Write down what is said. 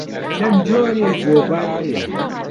چەند جۆرێک گۆڤار هەیە.